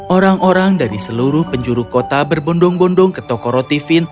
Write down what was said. orang orang dari seluruh penjuru kota berbondong bondong ke toko rotin